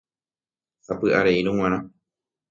sapy'areírõ g̃uarã